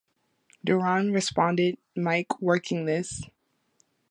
Duran responded Mike, working this.